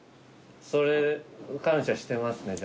それ感謝してますねじゃ。